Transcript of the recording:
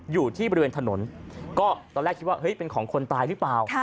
อยู่ที่บริเวณถนนก็ตอนแรกคิดว่าเฮ้ยเป็นของคนตายหรือเปล่า